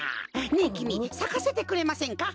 ねえきみさかせてくれませんか？